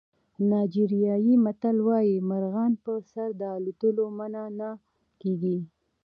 نایجریایي متل وایي مرغان په سر د الوتلو منع نه کېږي.